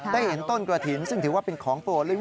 ได้เห็นต้นกระถิ่นซึ่งถือว่าเป็นของโปรลึก